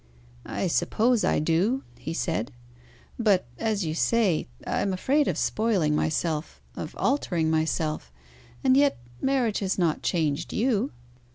"I suppose I do," he said. "But, as you say, I am afraid of spoiling myself, of altering myself. And yet marriage has not changed you."